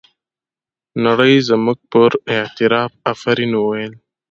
نړۍ زموږ پر اعتراف افرین وویل.